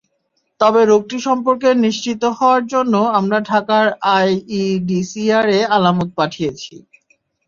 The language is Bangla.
তবে রোগটি সম্পর্কে নিশ্চিত হওয়ার জন্য আমরা ঢাকার আইইডিসিআরে আলামত পাঠিয়েছি।